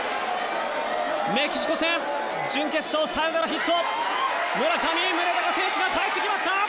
メキシコ戦、準決勝サヨナラヒットの村上宗隆選手が帰ってきました！